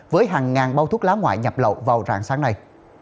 với hàng ngàn bao thuốc lá ngoại nhập lậu vào rạng sáng nay